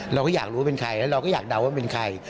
เราก็อยากรู้เป็นใครแล้วเราก็อยากเดาว่าเป็นใคร